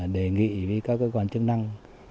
đề nghị với các cơ quan chức năng